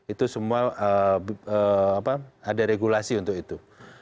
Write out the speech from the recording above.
itu semua ada regulasi untuk itu